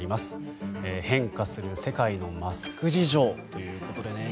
変化する世界のマスク事情ということでね。